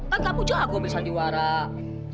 kan kamu jago bisa diwarak